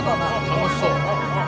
楽しそう。